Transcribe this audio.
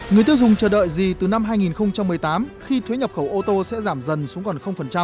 người tiêu dùng chờ đợi gì từ năm hai nghìn một mươi tám khi thuế nhập khẩu ô tô sẽ giảm dần xuống còn